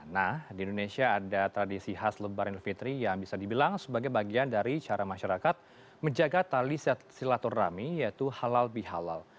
nah di indonesia ada tradisi khas lebaran fitri yang bisa dibilang sebagai bagian dari cara masyarakat menjaga tali set silaturahmi yaitu halal bihalal